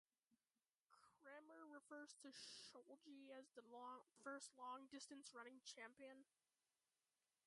Kramer refers to Shulgi as The first long distance running champion.